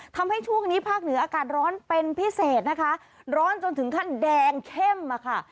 ทำให้ช่วงนี้ภาคเหนืออากาศร้อนเป็นพิเศษนะคะร้อนจนถึงขั้นแดงเข้มอ่ะค่ะ